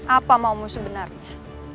apa maumu sebenarnya